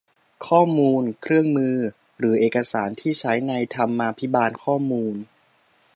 ข้อมูล เครื่องมือ หรือเอกสารที่ใช้ในธรรมาภิบาลข้อมูล